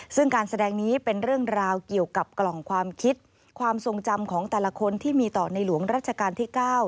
ซึ่งการแสดงนี้เป็นเรื่องราวเกี่ยวกับกล่องความคิดความทรงจำของแต่ละคนที่มีต่อในหลวงรัชกาลที่๙